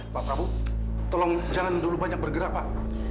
pak prabu tolong jangan dulu banyak bergerak pak